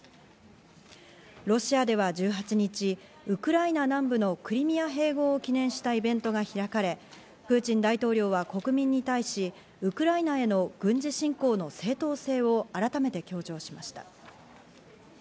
ロシアでは１８日、ウクライナ南部のクリミア併合を記念したイベントが開かれ、プーチン大統領は国民に対し、ウクライナへの軍事侵攻の正当性を改めて強調しました。